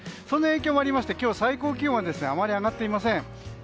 そんな影響もありまして今日の最高気温はあまり上がっていません。